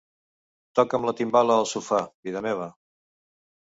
Toca'm la timbala al sofà, vida meva.